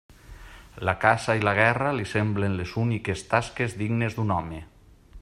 La caça i la guerra li semblen les úniques tasques dignes d'un home.